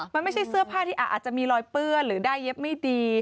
มันไม่ใช่เสื้อผ้าที่อาจจะมีรอยเปื้อนหรือได้เย็บไม่ดี